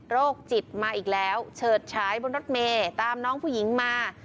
โรคจิตมาอีกแล้วเฉิดฉายบนรถเมย์ตามน้องผู้หญิงมา